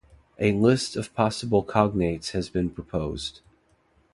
A list of possible cognates has been proposed.